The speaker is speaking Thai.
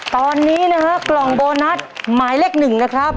ตอนนี้นะฮะกล่องโบนัสหมายเลขหนึ่งนะครับ